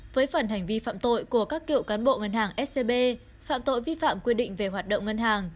với phần hành vi phạm tội của các cựu cán bộ ngân hàng scb phạm tội vi phạm quy định về hoạt động ngân hàng